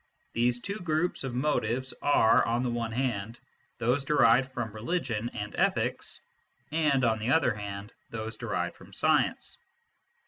These two groups of motives are, on the one hand, those derived from religion and ethics, and, on the other hand, those derived from science.